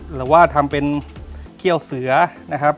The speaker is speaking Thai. หรือว่าทำเป็นเขี้ยวเสือนะครับ